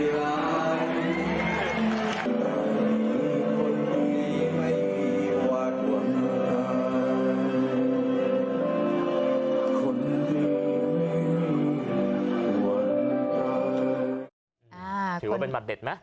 ถือว่าเป็นหมัดเด็ดนะ